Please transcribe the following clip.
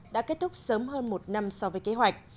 đã kết thúc sớm hơn một năm so với kế hoạch